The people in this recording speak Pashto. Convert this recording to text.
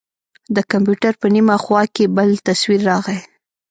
د کمپيوټر په نيمه خوا کښې بل تصوير راغى.